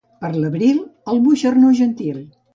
Per l'abril, el moixernó gentil.